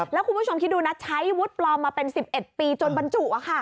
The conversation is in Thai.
แล้วคุณผู้ชมคิดดูนะใช้วุฒิปลอมมาเป็น๑๑ปีจนบรรจุ